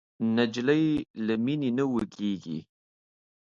نجلۍ له مینې نه وږيږي.